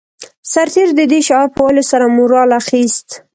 سرتېرو د دې شعار په ويلو سره مورال اخیست